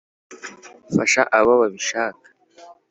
fasha abo babishaka